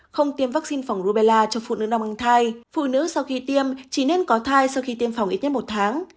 không tiêm vắc xin phòng rubella cho phụ nữ đang bằng thai phụ nữ sau khi tiêm chỉ nên có thai sau khi tiêm phòng ít nhất một tháng